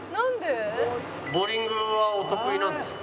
ボウリングはお得意なんですか？